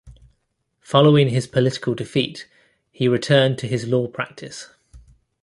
Following his political defeat, he returned to his law practice.